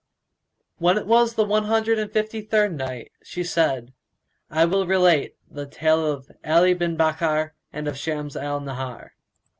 When it was the One Hundred and Fifty third Night, She said:—I will relate the TALE OF ALI BIN BAKKAR AND OF SHAMS AL NAHAR.